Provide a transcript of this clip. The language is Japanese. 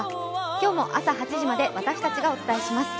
今日も朝８時まで私たちがお伝えします。